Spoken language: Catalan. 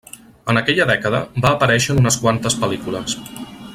En aquella dècada, va aparèixer en unes quantes pel·lícules.